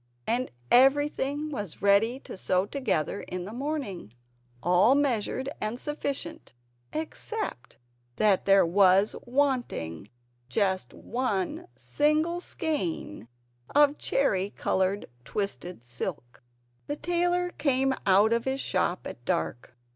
And everything was ready to sew together in the morning, all measured and sufficient except that there was wanting just one single skein of cherry coloured twisted silk. The tailor came out of his shop at dark.